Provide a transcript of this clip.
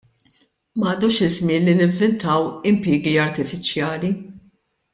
M'għadux iż-żmien li nivvintaw impjiegi artifiċjali.